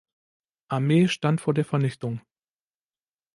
Armee stand vor der Vernichtung.